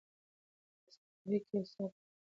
آس په کوهي کې یو ساعت پاتې و.